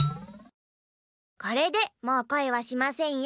これでもうこえはしませんよ。